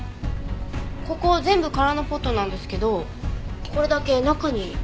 ここ全部空のポットなんですけどこれだけ中に。